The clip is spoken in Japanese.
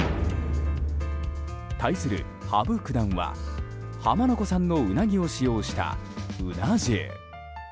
対する羽生九段は浜名湖産のウナギを使用したうな重。